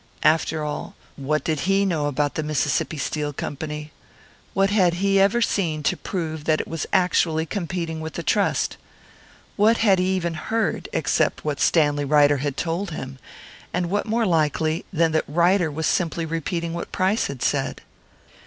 After all, what did he know about the Mississippi Steel Company? What had he ever seen to prove that it was actually competing with the Trust? What had he even heard, except what Stanley Ryder had told him; and what more likely than that Ryder was simply repeating what Price had said?